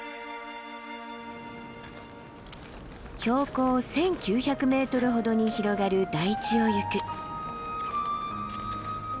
標高１，９００ｍほどに広がる台地をゆく。